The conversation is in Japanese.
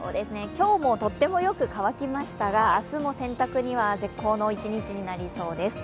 今日もとってもよく乾きましたが、明日も洗濯には絶好の一日になりそうです。